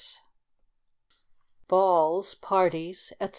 BALLS, PARTIES, &c.